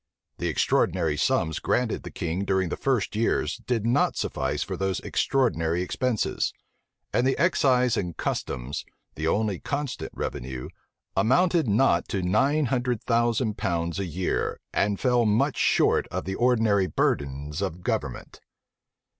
The extraordinary sums granted the king during the first years did not suffice for these extraordinary expenses; and the excise and customs, the only constant revenue, amounted not to nine hundred thousand pounds a year, and fell much short of the ordinary burdens of government.